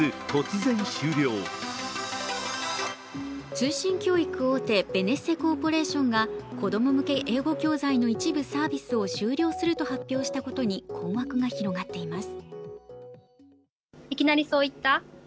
通信教育大手ベネッセコーポレーションが子供向け英語教材の一部サービスを終了すると発表したことに困惑が広がっています。